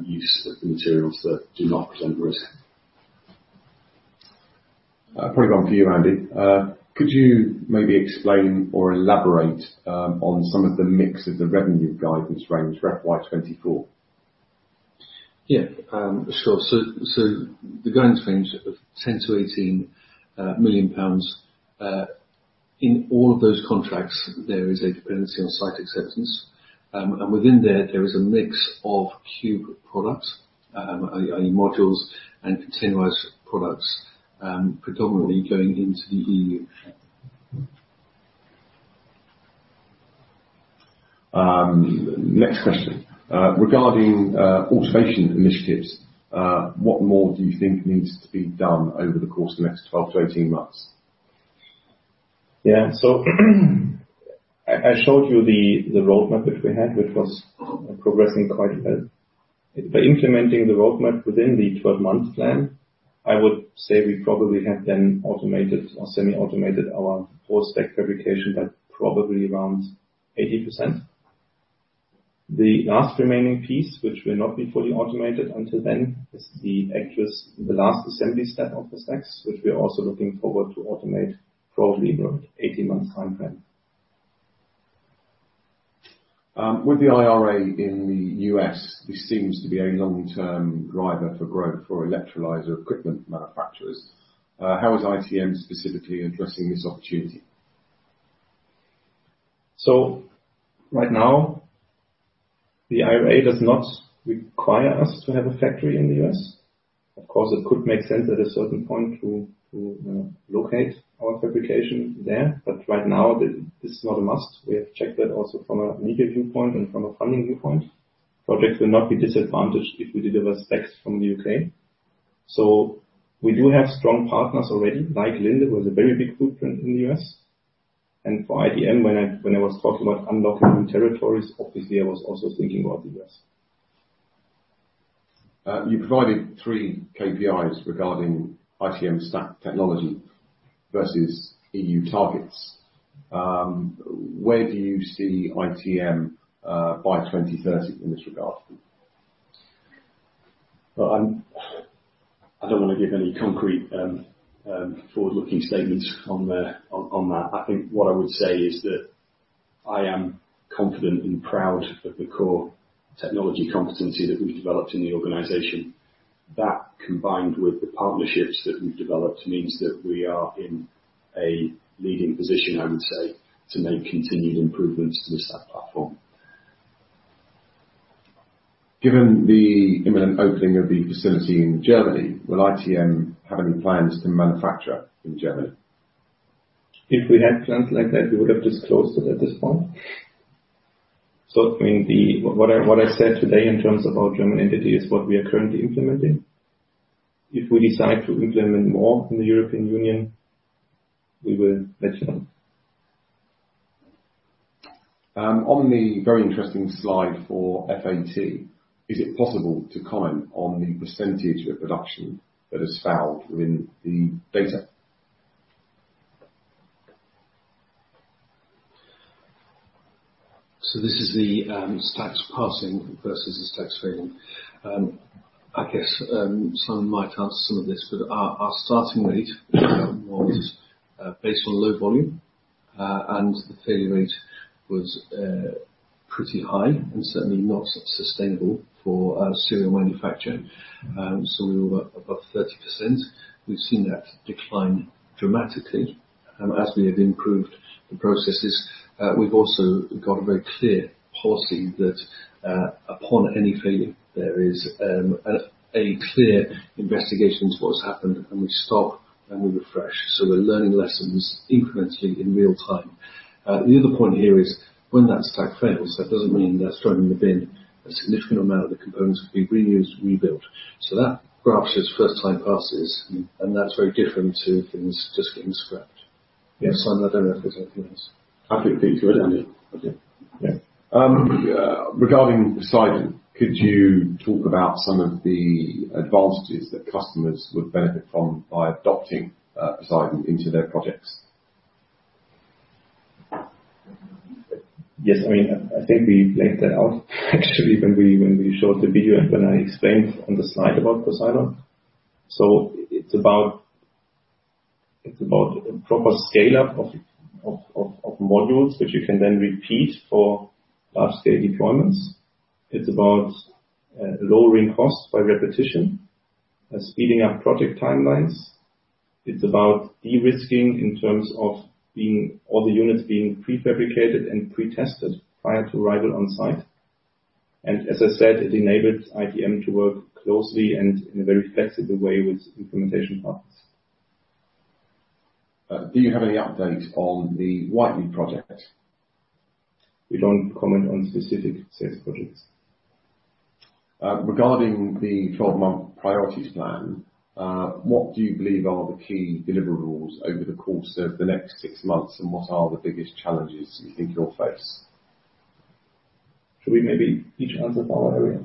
use of the materials that do not present risk.
Probably one for you, Andy. Could you maybe explain or elaborate on some of the mix of the revenue guidance range for FY24?
Yeah, sure. The guidance range of 10 million-18 million pounds in all of those contracts, there is a dependency on site acceptance. Within there, there is a mix of Cube products, i.e., modules and containerized products, predominantly going into the EU.
Next question. Regarding automation initiatives, what more do you think needs to be done over the course of the next 12 to 18 months?
Yeah. I showed you the roadmap that we had, which was progressing quite well. By implementing the roadmap within the 12-month plan, I would say we probably have then automated or semi-automated our four-stack fabrication by probably around 80%. The last remaining piece, which will not be fully automated until then, is the actual last assembly step of the stacks, which we are also looking forward to automate, probably around 18-month timeframe.
With the IRA in the U.S., this seems to be a long-term driver for growth for electrolyzer equipment manufacturers. How is ITM specifically addressing this opportunity?
Right now, the IRA does not require us to have a factory in the U.S. Of course, it could make sense at a certain point to, to locate our fabrication there, but right now, this is not a must. We have checked that also from a legal viewpoint and from a funding viewpoint. Projects will not be disadvantaged if we deliver stacks from the U.K. We do have strong partners already, like Linde, with a very big footprint in the U.S. For ITM, when I, when I was talking about unlocking new territories, obviously I was also thinking about the U.S.
You provided three KPIs regarding ITM stack technology versus EU targets. Where do you see ITM by 2030 in this regard?
Well, I don't want to give any concrete forward-looking statements on that. I think what I would say is that I am confident and proud of the core technology competency that we've developed in the organization. That, combined with the partnerships that we've developed, means that we are in a leading position, I would say, to make continued improvements to the stack platform.
Given the imminent opening of the facility in Germany, will ITM have any plans to manufacture in Germany?
If we had plans like that, we would have disclosed them at this point. I mean, what I said today in terms of our German entity is what we are currently implementing. If we decide to implement more in the European Union, we will let you know.
On the very interesting slide for FAT, is it possible to comment on the % of production that is fouled within the data?
This is the stacks passing versus the stacks failing. I guess Simon might answer some of this, but our starting rate was based on low volume, and the failure rate was pretty high and certainly not sustainable for serial manufacturing. We were above 30%. We've seen that decline dramatically as we have improved the processes. We've also got a very clear policy that upon any failure, there is a clear investigation into what's happened, and we stop and we refresh. We're learning lessons incrementally in real time. The other point here is, when that stack fails, that doesn't mean they're thrown in the bin. A significant amount of the components can be reused, rebuilt. That graph shows first time passes, and that's very different to things just getting scrapped.
Yes.
Simon, I don't know if there's anything else.
I think we're good.
Okay. Yeah. Regarding Poseidon, could you talk about some of the advantages that customers would benefit from by adopting Poseidon into their projects?
Yes. I mean, I think we laid that out actually, when we, when we showed the video and when I explained on the slide about Poseidon. It's about, it's about proper scale-up of, of, of, of modules that you can then repeat for large-scale deployments. It's about lowering costs by repetition, speeding up project timelines. It's about de-risking in terms of being all the units being prefabricated and pre-tested prior to arrival on site. As I said, it enables ITM to work closely and in a very flexible way with implementation partners.
Do you have any update on the Whitelee project?
We don't comment on specific sales projects.
Regarding the 12-month priorities plan, what do you believe are the key deliverables over the course of the next 6 months, and what are the biggest challenges you think you'll face?
Should we maybe each answer by our area?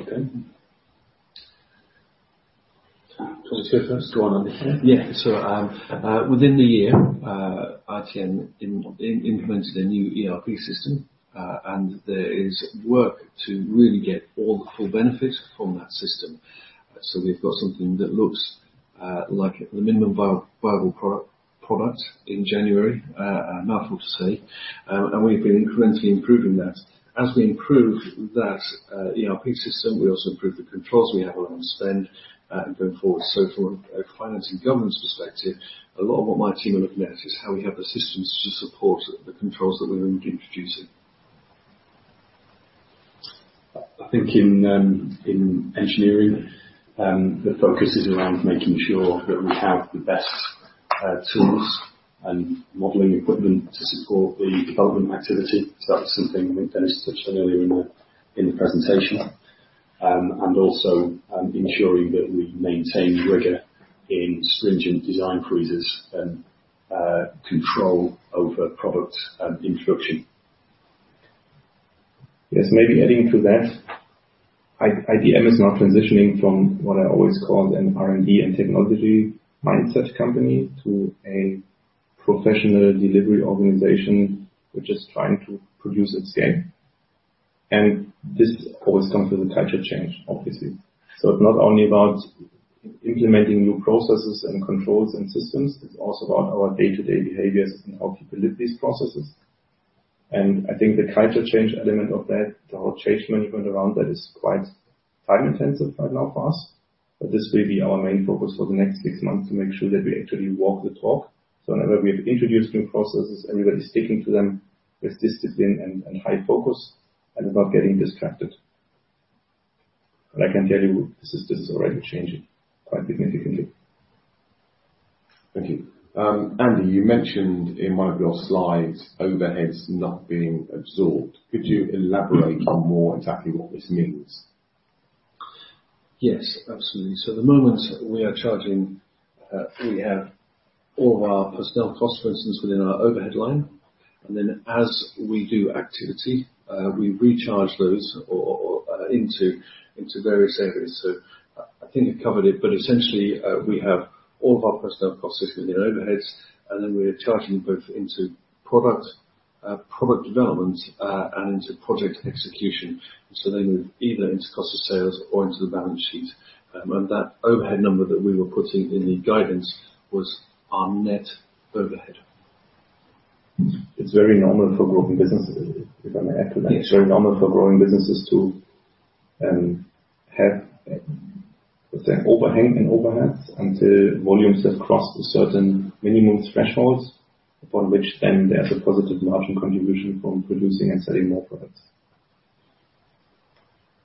Okay.
Do you want me to go first?
Go on, okay. Yeah. Within the year, ITM implemented a new ERP system, and there is work to really get all the full benefits from that system. We've got something that looks like the minimum viable product, product in January. I'm not afraid to say, and we've been incrementally improving that. As we improve that ERP system, we also improve the controls we have around spend, and going forward. From a finance and governance perspective, a lot of what my team are looking at is how we have the systems to support the controls that we're introducing. I think in engineering, the focus is around making sure that we have the best tools and modeling equipment to support the development activity. That's something I think Dennis touched on earlier in the, in the presentation. Also, ensuring that we maintain rigor in stringent design freezes and control over product introduction.
Yes, maybe adding to that, ITM is now transitioning from what I always called an R&D and technology mindset company to a professional delivery organization, which is trying to produce at scale. This always comes with a culture change, obviously. It's not only about implementing new processes and controls and systems, it's also about our day-to-day behaviors and how we build these processes. I think the culture change element of that, the whole change management around that, is quite time intensive right now for us, but this will be our main focus for the next 6 months, to make sure that we actually walk the talk. Whenever we've introduced new processes, everybody's sticking to them with discipline and high focus and without getting distracted. I can tell you, the system is already changing quite significantly.
Thank you. Andy, you mentioned in one of your slides, overheads not being absorbed. Could you elaborate on more exactly what this means?
Yes, absolutely. At the moment, we are charging, we have all of our personnel costs, for instance, within our overhead line. As we do activity, we recharge those into various areas. I think you covered it, but essentially, we have all of our personnel costs within the overheads, and then we are charging both into product, product development, and into project execution. They move either into cost of sales or into the balance sheet. That overhead number that we were putting in the guidance was our net overhead.
It's very normal for growing businesses, if I may add to that. It's very normal for growing businesses to have, let's say, overhang in overheads until volumes have crossed a certain minimum thresholds, upon which then there's a positive margin contribution from producing and selling more products.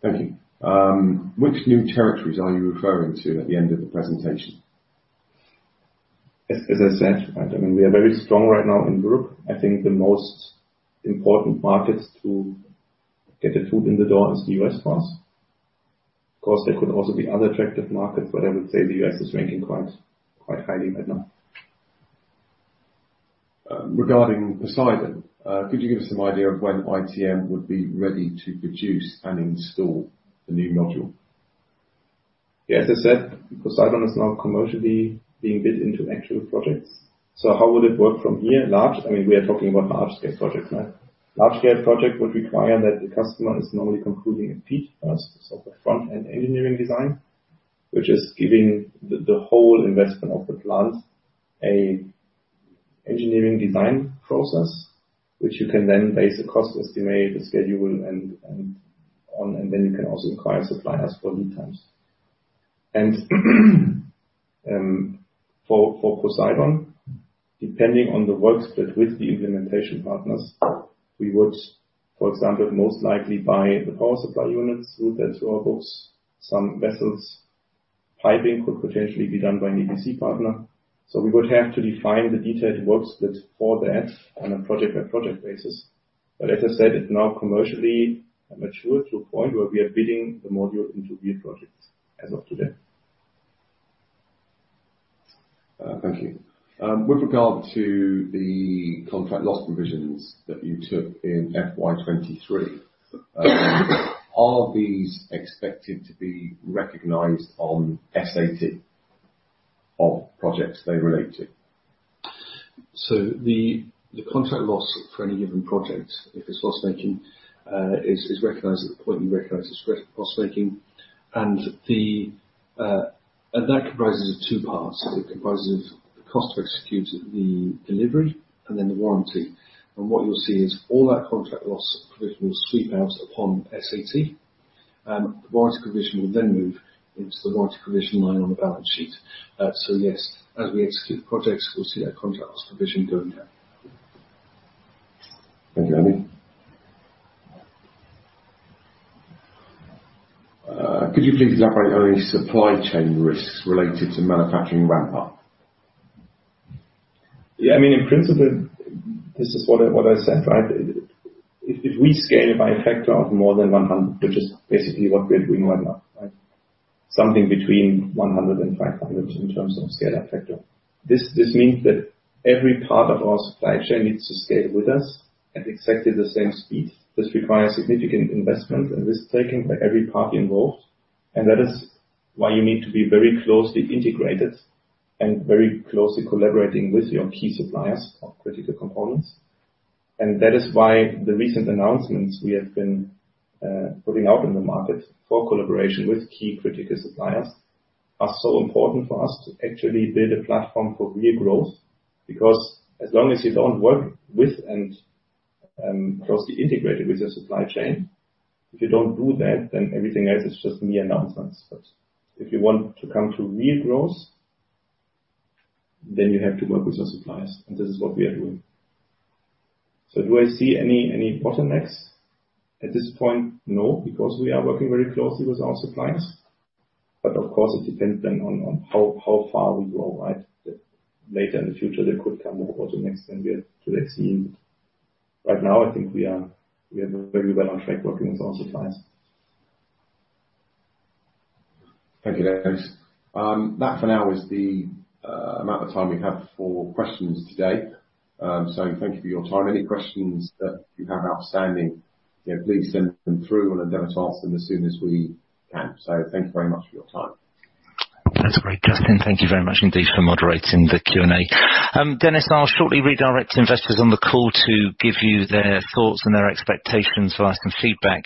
Thank you. Which new territories are you referring to at the end of the presentation?
As I said, I mean, we are very strong right now in Europe. I think the most important markets to get a foot in the door is the U.S. for us. Of course, there could also be other attractive markets, but I would say the U.S. is ranking quite, quite highly right now.
Regarding Poseidon, could you give us some idea of when ITM would be ready to produce and install the new module?
Yes, as I said, Poseidon is now commercially being bid into actual projects. How would it work from here? I mean, we are talking about large-scale projects, right? Large-scale project would require that the customer is normally concluding a FEED first, so the front-end engineering design, which is giving the, the whole investment of the plant, a engineering design process, which you can then base a cost estimate, the schedule, and on, and then you can also acquire suppliers for lead times. For Poseidon, depending on the work split with the implementation partners, we would, for example, most likely buy the power supply units through our books, some vessels. Piping could potentially be done by an EPC partner. We would have to define the detailed work split for that on a project-by-project basis. As I said, it's now commercially matured to a point where we are bidding the module into real projects as of today.
Thank you. With regard to the contract loss provisions that you took in FY23, are these expected to be recognized on SAT of projects they relate to?
The, the contract loss for any given project, if it's loss-making, is recognized at the point you recognize it's loss-making. That comprises of two parts. It comprises of the cost to execute the delivery and then the warranty. What you'll see is all our contract loss provision will sweep out upon SAT, the warranty provision will then move into the warranty provision line on the balance sheet. Yes, as we execute the projects, we'll see our contract loss provision going down.
Thank you, Andy. Could you please elaborate on any supply chain risks related to manufacturing ramp-up?
Yeah, I mean, in principle, this is what I said, right? If we scale by a factor of more than 100, which is basically what we are doing right now, right? Something between 100 and 500 in terms of scale-up factor. This means that every part of our supply chain needs to scale with us at exactly the same speed. This requires significant investment, and risk-taking by every party involved. That is why you need to be very closely integrated and very closely collaborating with your key suppliers of critical components. That is why the recent announcements we have been putting out in the market for collaboration with key critical suppliers are so important for us to actually build a platform for real growth. Because as long as you don't work with and closely integrated with your supply chain, if you don't do that, then everything else is just mere announcements. If you want to come to real growth, then you have to work with your suppliers, and this is what we are doing. Do I see any, any bottlenecks? At this point, no, because we are working very closely with our suppliers, but of course, it depends then on how far we grow, right? Later in the future, there could come bottlenecks than we have today seen. Right now, I think we are, we are very well on track working with our suppliers.
Thank you, Dennis. That for now is the amount of time we have for questions today. Thank you for your time. Any questions that you have outstanding, please send them through and then we'll ask them as soon as we can. Thank you very much for your time.
That's great, Justin. Thank you very much indeed for moderating the Q&A. Dennis, I'll shortly redirect investors on the call to give you their thoughts and their expectations for us and feedback.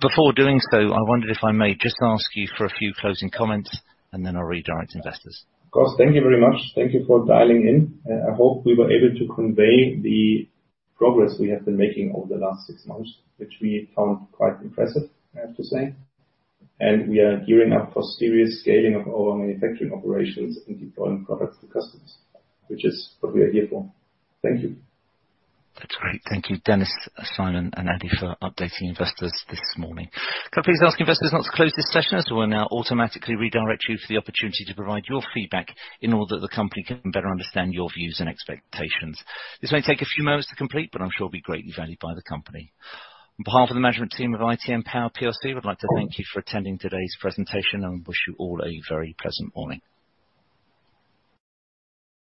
Before doing so, I wondered if I may just ask you for a few closing comments, and then I'll redirect investors.
Of course. Thank you very much. Thank you for dialing in, and I hope we were able to convey the progress we have been making over the last six months, which we found quite impressive, I have to say. We are gearing up for serious scaling of our manufacturing operations and deploying products to customers, which is what we are here for. Thank you.
That's great. Thank you, Dennis, Simon and Andy, for updating investors this morning. Could I please ask investors now to close this session as we'll now automatically redirect you for the opportunity to provide your feedback in order that the company can better understand your views and expectations. This may take a few moments to complete, but I'm sure it'll be greatly valued by the company. On behalf of the management team of ITM Power PLC, I'd like to thank you for attending today's presentation and wish you all a very pleasant morning.